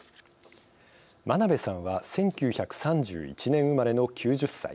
真鍋さんは１９３１年生まれの９０歳。